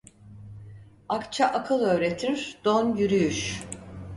Akça akıl öğretir, don yürüyüş.